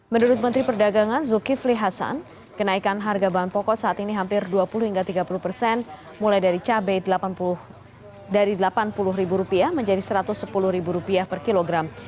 menurut menteri perdagangan zulkifli hasan kenaikan harga bahan pokok saat ini hampir dua puluh hingga tiga puluh persen mulai dari cabai dari rp delapan puluh menjadi rp satu ratus sepuluh per kilogram